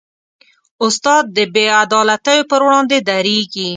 استاد د بېعدالتیو پر وړاندې دریږي.